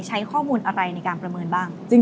ใช้ข้อมูลอะไรในการประเมินบ้าง